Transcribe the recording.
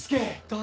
誰？